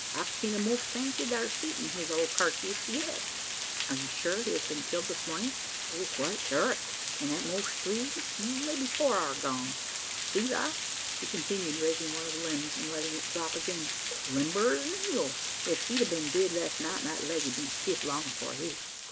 I kin a'most fancy thar's heat in his old karkiss yet!" "You are sure he has been killed this morning?" "Quite sure o't; an' at most three, or may be four hour agone. See thar!" he continued, raising one of the limbs, and letting it drop again; "limber as a eel! Ef he'd a been dead last night, the leg'd been stiff long afore this."